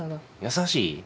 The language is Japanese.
優しい？